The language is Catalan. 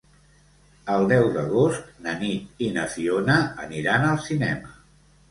El deu d'agost na Nit i na Fiona aniran al cinema.